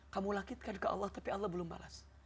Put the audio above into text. kamu lakitkan ke allah tapi allah belum balas